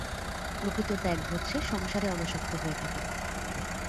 প্রকৃত ত্যাগ হচ্ছে সংসারে অনাসক্ত হয়ে থাকা।